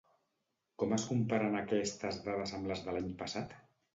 Com es comparen aquestes dades amb les de l'any passat?